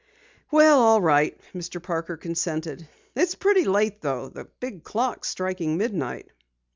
"Well, all right," Mr. Parker consented. "It's pretty late though. The big clock's striking midnight."